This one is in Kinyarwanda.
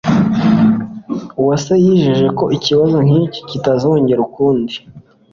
Uwase yijeje ko ikibazo nk'iki kitazongera ukundi.